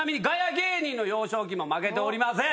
芸人の幼少期も負けておりません。